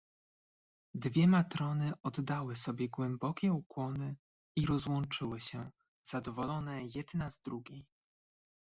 "Dwie matrony oddały sobie głębokie ukłony i rozłączyły się zadowolone jedna z drugiej."